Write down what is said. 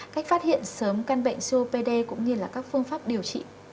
cách phát hiện sớm căn bệnh copd cũng như là các phương pháp điều trị